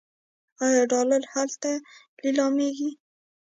آیا ډالر هلته لیلامیږي؟